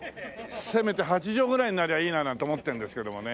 せめて八畳ぐらいになりゃいいななんて思ってるんですけどもね。